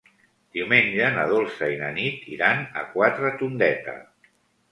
Diumenge na Dolça i na Nit iran a Quatretondeta.